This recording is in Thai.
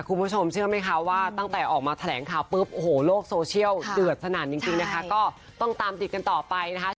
คุณผู้ชมเชื่อไหมคะว่าตั้งแต่ออกมาแถลงข่าวปุ๊บโอ้โหโลกโซเชียลเดือดสนั่นจริงนะคะก็ต้องตามติดกันต่อไปนะคะ